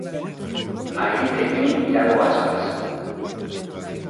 Aí teñen Iago Aspas.